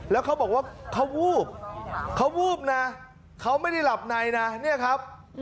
แล้วเขาบอกว่าเขาวูบเขาวูบนะเขาไม่ได้หลับในนะเนี่ยครับ